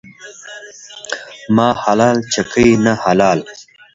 ما حلال ، چکي نه حلال.